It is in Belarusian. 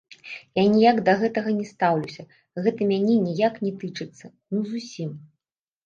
Я ніяк да гэтага не стаўлюся, гэта мяне ніяк не тычыцца, ну, зусім.